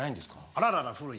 あららら古い。